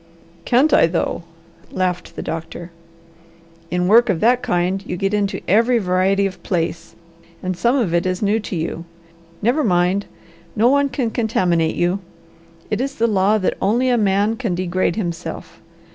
"Can't I though?" laughed the doctor. "In work of that kind you get into every variety of place; and some of it is new to you. Never mind! No one can contaminate you. It is the law that only a man can degrade himself.